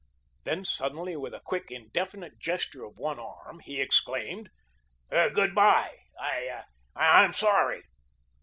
Then, suddenly, with a quick, indefinite gesture of one arm, he exclaimed: "Good bye, I I'm sorry."